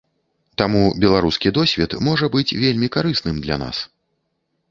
Таму беларускі досвед можа быць вельмі карысным для нас.